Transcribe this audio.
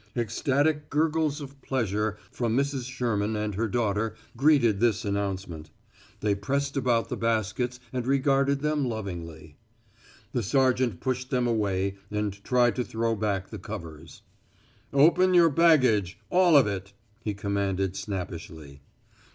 Ecstatic gurgles of pleasure from Mrs. Sherman and her daughter greeted this announcement. They pressed about the baskets and regarded them lovingly. The sergeant pushed them away and tried to throw back the covers. "Open your baggage all of it!" he commanded snappishly.